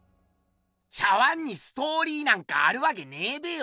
茶碗にストーリーなんかあるわけねえべよ。